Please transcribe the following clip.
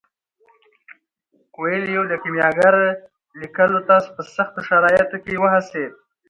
کویلیو د کیمیاګر لیکلو ته په سختو شرایطو کې وهڅید.